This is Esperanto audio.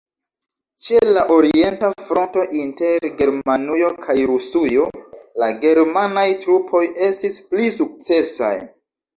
Ĉe la orienta fronto, inter Germanujo kaj Rusujo, la germanaj trupoj estis pli sukcesaj.